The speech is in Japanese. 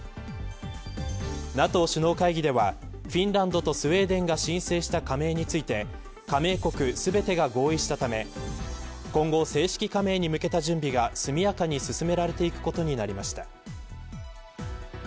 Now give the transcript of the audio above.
ＮＡＴＯ首脳会議ではフィンランドとスウェーデンが申請した加盟について加盟国、全てが合意したため今後、正式加盟に向けた準備が速やかに進められていくことになりました。